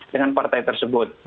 dengan partai tersebut